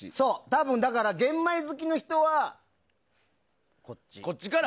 多分、玄米好きの人はこっち。